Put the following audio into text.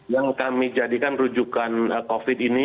yang kami jadikan rujukan covid ini